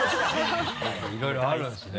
いろいろあるんですね。